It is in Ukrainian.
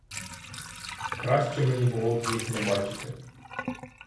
Краще мені було б їх не бачити.